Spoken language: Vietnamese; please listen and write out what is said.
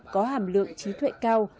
có hàm lượng trí tuệ cao